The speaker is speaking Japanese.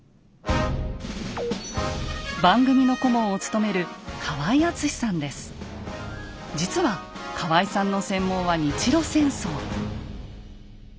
番組の顧問を務める実は河合さんの専門は日露戦争。